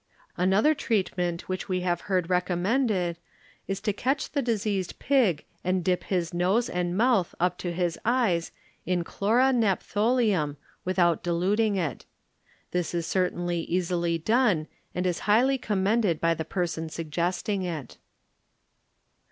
Another treatment which we have heard recommended is to catch the dis eased pig and dip his nose and mouth up to his eyes in chlora naptholeum with out diluting it. This is certainly easily done and is highly commended tiy the person suggesting it.